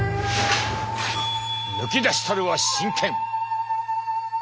抜き出したるは真剣。